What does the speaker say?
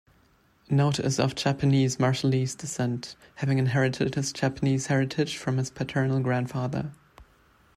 Note is of Japanese-Marshallese descent, having inherited his Japanese heritage from his paternal grandfather.